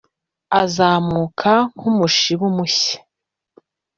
Azazamuka nk umushibu mushya